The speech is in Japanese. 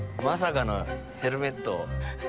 まさかのヘルメット。